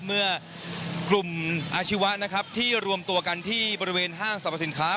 เมื่อกลุ่มอาชีวะนะครับที่รวมตัวกันที่บริเวณห้างสรรพสินค้า